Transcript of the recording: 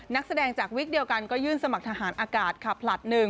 นักแสดงจากวิกเดียวกันก็ยื่นสมัครทหารอากาศขับผลัด๑